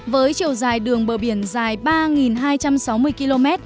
với chiều dài đường bờ biển dài ba hai trăm sáu mươi km